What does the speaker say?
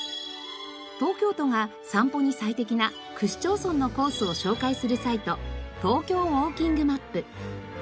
東京都が散歩に最適な区市町村のコースを紹介するサイトトーキョーウォーキングマップ。